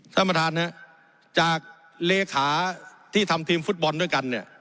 ท่านประธานฮะจากเลขาที่ทำทีมฟุตบอลด้วยกันเนี่ย